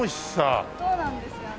そうなんですよね。